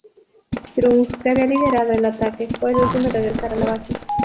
Trung, que había liderado el ataque, fue el último en regresar a la base.